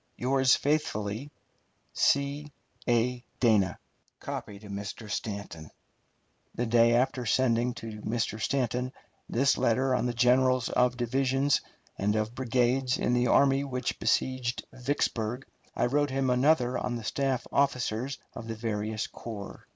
Yours faithfully, C. A. DANA. Mr. STANTON. The day after sending to Mr. Stanton this letter on the generals of divisions and of brigades in the army which besieged Vicksburg, I wrote him another on the staff officers of the various corps.